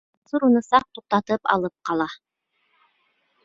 Мансур уны саҡ туҡтатып алып ҡала.